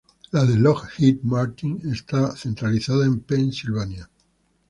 La de Lockheed Martin está centralizada en Pennsylvania.